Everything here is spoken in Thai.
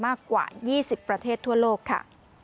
มากกว่า๒๐ประเทศทั่วโลกค่ะ